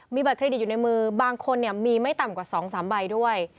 บัตรเครดิตอยู่ในมือบางคนมีไม่ต่ำกว่า๒๓ใบด้วย